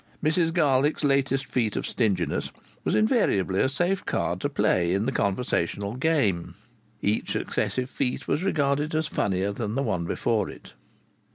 Mrs Garlick's latest feat of stinginess was invariably a safe card to play in the conversational game. Each successive feat was regarded as funnier than the one before it.